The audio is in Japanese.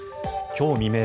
今日未明